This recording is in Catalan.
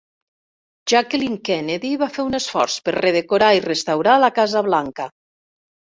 Jacqueline Kennedy va fer un esforç per redecorar i restaurar la Casa Blanca.